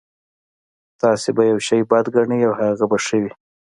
تاسې به يو شی بد ګڼئ او هغه به ښه وي.